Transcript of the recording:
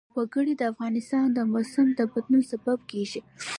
وګړي د افغانستان د موسم د بدلون سبب کېږي.